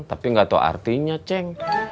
tapi gak tau artinya ceng